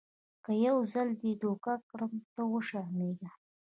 که یو ځل دې دوکه کړم ته وشرمېږه .